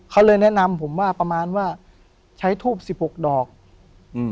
เขาเลยแนะนำผมว่าประมาณว่าใช้ทูบสิบหกดอกอืม